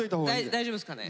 大丈夫ですかね。